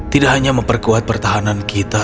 tidak hanya memperkuat pertahanan kita